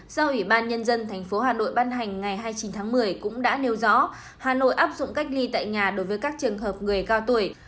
do ủy ban nhân dân tp hà nội ban hành ngày hai mươi chín tháng một mươi cũng đã nêu rõ hà nội áp dụng cách ly tại nhà đối với các trường hợp người cao tuổi